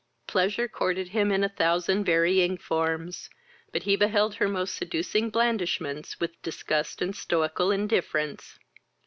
Pleasure courted him in a thousand varying forms, but he beheld her most seducing blandishments with disgust and stoical indifference.